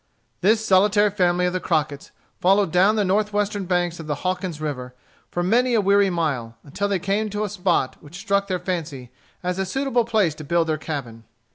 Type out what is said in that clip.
This solitary family of the Crocketts followed down the northwestern banks of the Hawkins River for many a weary mile, until they came to a spot which struck their fancy as a suitable place to build their Cabin.